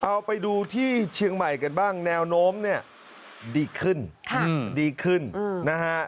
เอาไปดูที่เชียงใหม่กันบ้างแนวโน้มเนี่ยดีขึ้นดีขึ้นนะฮะ